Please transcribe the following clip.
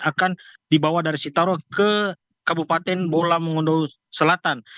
akan dibawa dari sitaro ke kabupaten bola mengondo selatan